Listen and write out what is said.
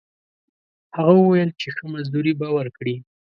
هغه وویل چې ښه مزدوري به ورکړي.